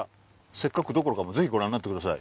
せっかくどころかぜひご覧になってください